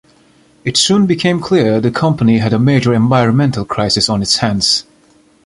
It soon became clear the company had a major environmental crisis on its hands.